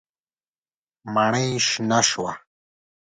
ماڼۍ شنه شوه.